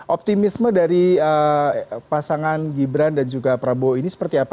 optimisme dari pasangan gibran dan juga prabowo ini seperti apa